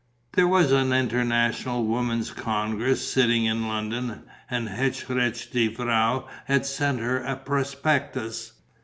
There was an International Women's Congress sitting in London; and Het Recht der Vrouw had sent her a prospectus.